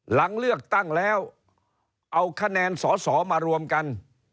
หลังเลือกตั้งแล้วเอาคะแนนสอสอมารวมกัน